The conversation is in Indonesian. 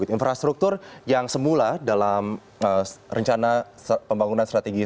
infrastruktur yang semula dalam rencana pembangunan strategis